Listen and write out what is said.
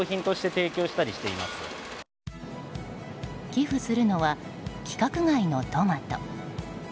寄付するのは規格外のトマト。